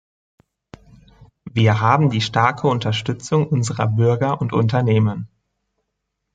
Wir haben die starke Unterstützung unserer Bürger und Unternehmen.